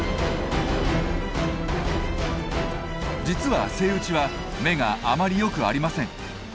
実はセイウチは目があまりよくありません。